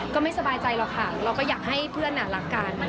ก็ไม่สบายใจหรอกค่ะเราก็อยากให้เพื่อนรักกัน